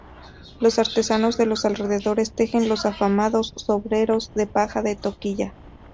Los artesanos de los alrededores tejen los afamados sombreros de paja de toquilla.